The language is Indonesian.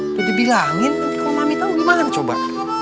udah dibilangin nanti kalau mami tau gimana ada coba